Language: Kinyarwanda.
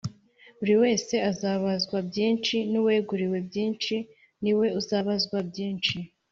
Buri wese azabazwa byinshi n’uweguriwe byinshi ni we uzabazwa byinshi